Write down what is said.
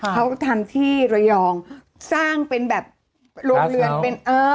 เขาก็ทำที่ระยองสร้างเป็นแบบโรงเรือนเป็นเออ